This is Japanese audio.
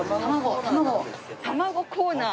卵コーナー。